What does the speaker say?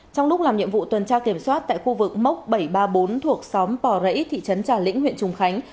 trong lúc làm nhiệm vụ tuần tra kiểm soát tại khu vực mốc bảy trăm ba mươi bốn thuộc xóm bò rẫy thị trấn trà lĩnh huyện trùng khánh